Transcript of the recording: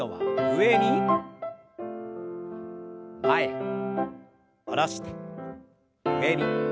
前に下ろして上に。